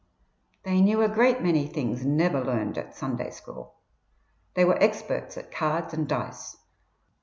They knew a great many things never learnt at Sunday school. They were experts at cards and dice.